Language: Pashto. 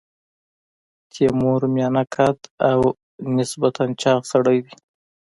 تیمور میانه قده او نسبتا چاغ سړی دی.